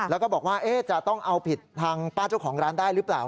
แล้วก็บอกว่าจะต้องเอาผิดทางป้าเจ้าของร้านได้หรือเปล่า